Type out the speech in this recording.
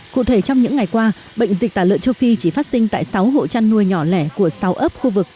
cụ thể trong những ngày qua bệnh dịch tả lợn châu phi chỉ phát sinh tại sáu hộ chăn nuôi nhỏ lẻ của sáu ấp khu vực